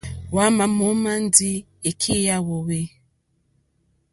Hwámà mǒmá ndí èkí yá hwōhwê.